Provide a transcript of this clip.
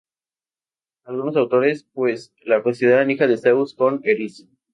Algunos autores, pues, la consideran hija de Zeus con Eris.